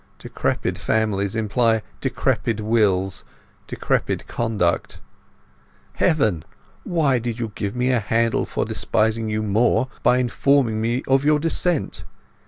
Decrepit families imply decrepit wills, decrepit conduct. Heaven, why did you give me a handle for despising you more by informing me of your descent!